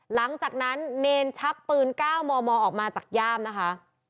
หลังจากนั้นเนรชักปืน๙มมออกมาจากย่ามนะคะ